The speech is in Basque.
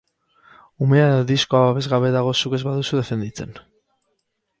Umea edo diskoa babesgabe dago zuk ez baduzu defenditzen.